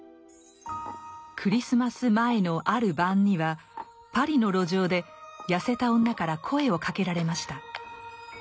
クリスマス前のある晩にはパリの路上で痩せた女から声をかけられました。